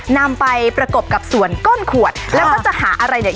นำไปประกบกับส่วนก้นขวดแล้วก็จะหาอะไรเนี่ย